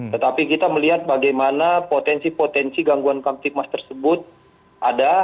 tetapi kita melihat bagaimana potensi potensi gangguan kamtipmas tersebut ada